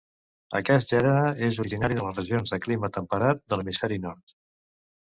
Aquest gènere és originari de les regions de clima temperat de l'hemisferi nord.